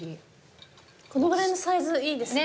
このぐらいのサイズいいですね